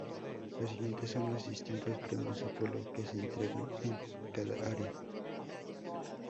Los siguientes son los distintos premios Apolo que se entregan en cada área.